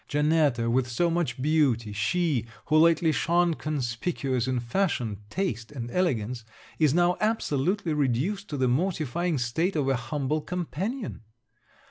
Janetta, with so much beauty, she, who lately shone conspicuous in fashion, taste, and elegance, is now absolutely reduced to the mortifying state of a humble companion.